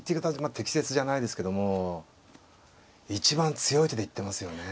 あ適切じゃないですけども一番強い手でいってますよね。